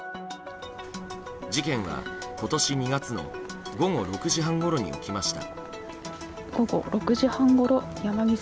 事件は今年２月の午後６時半ごろに起きました。